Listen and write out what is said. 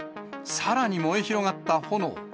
さらに燃え広がった炎。